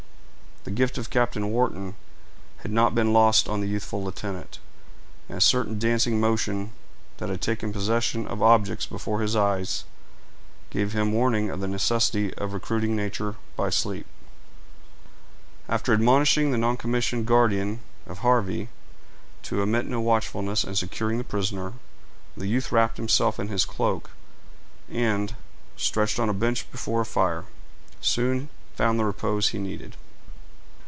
The gift of Captain Wharton had not been lost on the youthful lieutenant; and a certain dancing motion that had taken possession of objects before his eyes, gave him warning of the necessity of recruiting nature by sleep. After admonishing the noncommissioned guardian of Harvey to omit no watchfulness in securing the prisoner, the youth wrapped himself in his cloak, and, stretched on a bench before a fire, soon found the repose he needed.